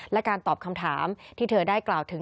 และการตอบคำถามที่เธอได้กล่าวถึง